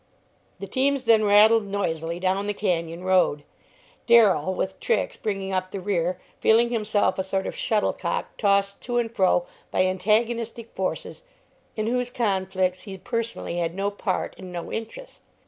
The teams then rattled noisily down the canyon road, Darrell, with Trix, bringing up the rear, feeling himself a sort of shuttlecock tossed to and fro by antagonistic forces in whose conflicts he personally had no part and no interest.